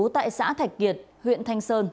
tại xã thạch kiệt huyện thanh sơn